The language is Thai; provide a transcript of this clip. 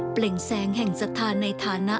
เปล่งแสงแห่งสถานในฐานะ